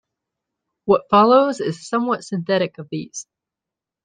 What follows is somewhat synthetic of these.